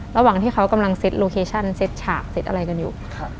ระหว่างที่เขากำลังเซ็ตโลเคชั่นเซ็ตฉากเซ็ตอะไรกันอยู่